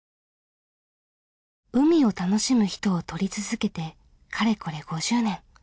海を楽しむ人を撮り続けてかれこれ５０年。